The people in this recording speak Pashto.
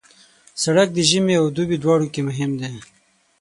سړک د ژمي او دوبي دواړو کې مهم دی.